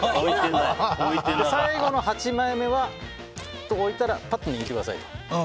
最後の８枚目は置いたらぱっと握ってくださいと。